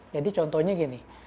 jadi contohnya begini